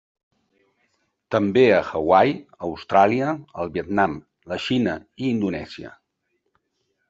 També a Hawaii, Austràlia, el Vietnam, la Xina i Indonèsia.